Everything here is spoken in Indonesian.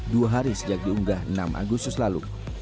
dua hari sejak diunggah enam agustus lalu